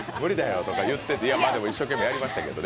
でも一生懸命やりましたけどね。